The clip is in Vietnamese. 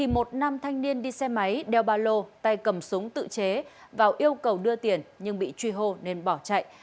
một nam thanh niên đi xe máy đeo bà lô tay cầm súng tự chế vào yêu cầu đưa tiền nhưng bị truy hô nên bỏ chạy